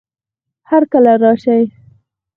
هرکله راشه